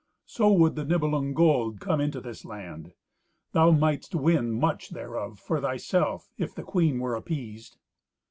So would the Nibelung gold come into this land. Thou mightest win much thereof for thyself, if the queen were appeased."